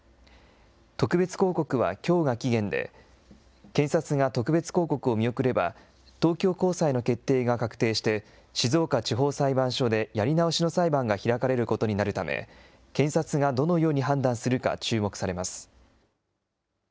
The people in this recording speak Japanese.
特別抗告はきょうが期限で、検察が特別抗告を見送れば、東京高裁の決定が確定して、静岡地方裁判所でやり直しの裁判が開かれることになるため、検察がどのように判断するか注目されます。